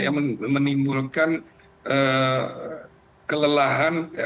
yang menimbulkan kelelahan